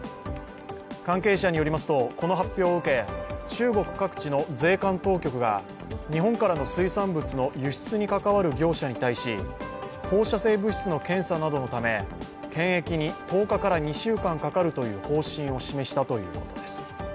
関係者によりますと、この発表を受け、中国各地の税関当局が日本からの水産物の輸出に関わる業者に対し放射性物質の検査などのため、検疫に１０日から２週間かかるという方針を示したということです。